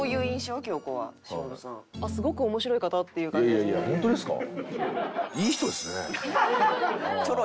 いやいやいやホントですか？